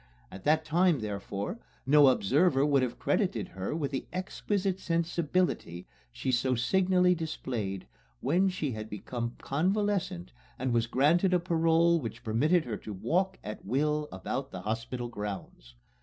At that time, therefore, no observer would have credited her with the exquisite sensibility she so signally displayed when she had become convalescent and was granted a parole which permitted her to walk at will about the hospital grounds.